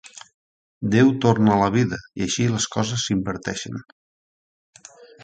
Déu torna a la vida, i així les coses s'inverteixen.